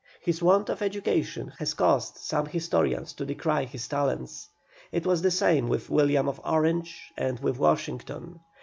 His want of education has caused some historians to decry his talents. It was the same with William of Orange and with Washington.